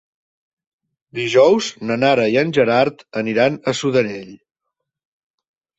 Dijous na Nara i en Gerard aniran a Sudanell.